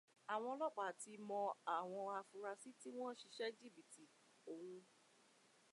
Àwọn ọlọ́pàá ti mọ àwọn afunrasí tí wọ́n ṣiṣẹ́ jìbìtì ọ̀hún.